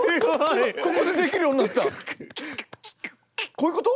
こういうこと？